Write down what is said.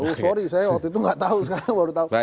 oh sorry saya waktu itu nggak tahu sekarang baru tahu